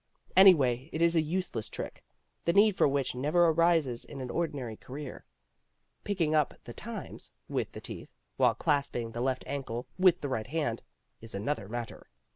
Anyway it is a useless trick, the need for which never arises in an ordinary career. Picking up The Times with the teeth, while clasping the left ankle with the right hand, is another matter.